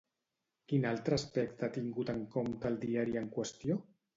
Quin altre aspecte ha tingut en compte el diari en qüestió?